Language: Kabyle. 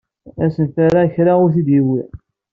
Asenfaṛ-a kra ur t-id-yewwi.